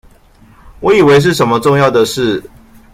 我以為是什麼重要的事